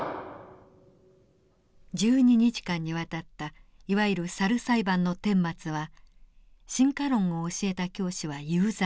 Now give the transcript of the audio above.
１２日間にわたったいわゆるサル裁判の顛末は進化論を教えた教師は有罪。